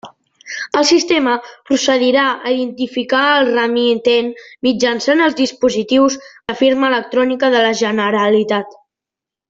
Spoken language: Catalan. El sistema procedirà a identificar el remitent mitjançant els dispositius de firma electrònica de la Generalitat.